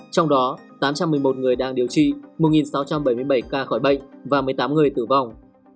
trong đó tám trăm một mươi một người đang điều trị một sáu trăm bảy mươi bảy ca khỏi bệnh và một mươi tám người tử vong